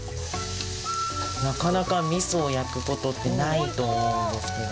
なかなかみそを焼くことってないと思うんですけど。